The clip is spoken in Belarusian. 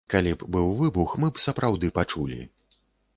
Калі б быў выбух, мы б сапраўды пачулі.